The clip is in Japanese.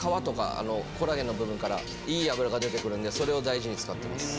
皮とかコラーゲンの部分からいい脂が出てくるんでそれを大事に使ってます。